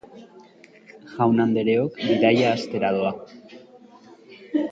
Jaun-andereok, bidaia hastera doa!